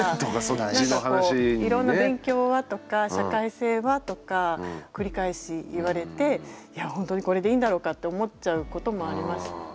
「いろんな勉強は？」とか「社会性は？」とか繰り返し言われて「いやほんとにこれでいいんだろうか」って思っちゃうこともありましたね。